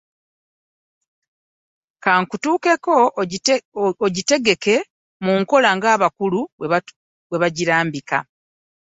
Kitukakatako okugiteeka mu nkola ng'abakulu bwe baagirambika